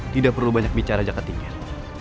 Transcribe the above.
tidak perlu banyak bicara jaka tinggal